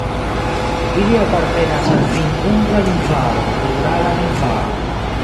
Ili apartenas al Finn-ugra lingvaro de Urala lingvaro.